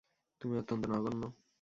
তুমি অত্যন্ত নগন্য!